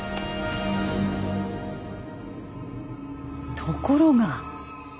ところが。